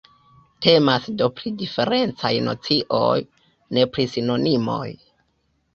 Temas do pri diferencaj nocioj, ne pri sinonimoj.